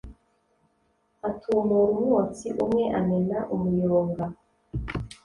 atumura umwotsi umwe amena umuyonga.